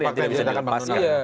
yang tidak bisa dilepaskan